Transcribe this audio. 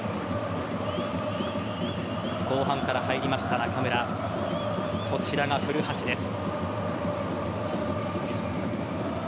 後半から入りました中村こちらが古橋です。